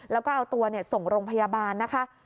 แล้วก็เอาตัวส่งโรงพยาบาลนะคะ